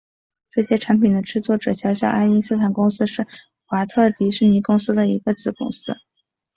这些产品的制作者小小爱因斯坦公司是华特迪士尼公司的一个子公司。